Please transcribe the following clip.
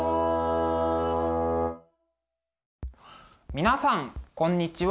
皆さんこんにちは。